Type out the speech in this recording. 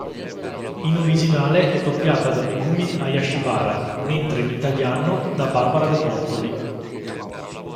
In originale è doppiata da Megumi Hayashibara, mentre in italiano da Barbara De Bortoli.